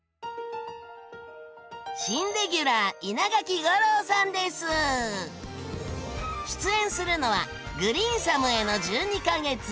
新レギュラー出演するのは「グリーンサムへの１２か月」。